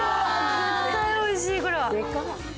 絶対おいしいこれは。